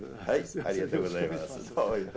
ありがとうございます。